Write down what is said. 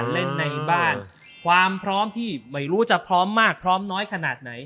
เล่นในบ้านความพร้อมที่ไม่รู้จะพร้อมมากพร้อมน้อยขนาดไหน